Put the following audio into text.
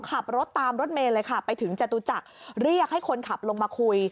ขับรถตามรถเมย์เลยค่ะไปถึงจตุจักรเรียกให้คนขับลงมาคุย